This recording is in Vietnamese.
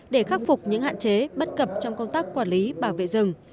để khắc phục những hạn chế bất cập trong công tác quản lý bảo vệ rừng